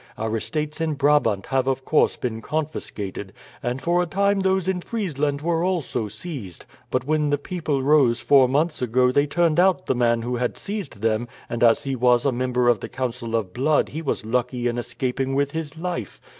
Our estates in Brabant have of course been confiscated, and for a time those in Friesland were also seized. But when the people rose four months ago they turned out the man who had seized them, and as he was a member of the Council of Blood he was lucky in escaping with his life.